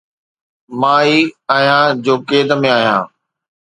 مان ئي آهيان جو قيد ۾ آهيان